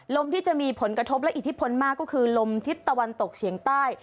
ลมที่จะมีผลกระทบและอิทธิพลมากก็คือลมทิศตะวันตกเฉียงใต้